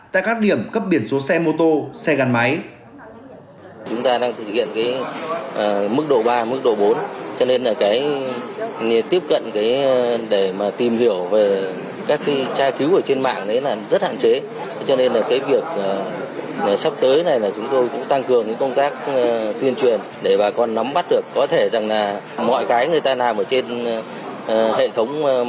tại các điểm cấp biển số xe mô tô